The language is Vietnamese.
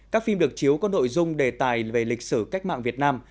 các phim được chiếu có nội dung đề tài về lịch sử cách mạng việt nam